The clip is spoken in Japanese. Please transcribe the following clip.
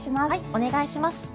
お願いします。